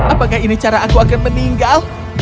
apakah ini cara aku akan meninggal